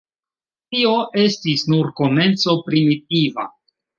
Tio estis nur komenco primitiva.